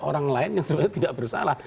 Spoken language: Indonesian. orang lain yang sebenarnya tidak bersalah